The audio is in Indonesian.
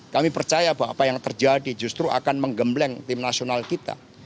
kami percaya bahwa apa yang terjadi justru akan menggembleng tim nasional kita